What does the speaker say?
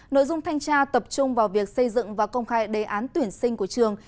nội dung thanh tra tập trung vào việc xây dựng và công khai đề án tuyển sinh của trường